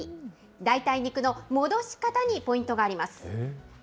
代替肉の戻し方にポイントがあります。